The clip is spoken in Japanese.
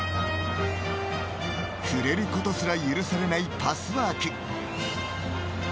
触れることすら許されないパスワーク。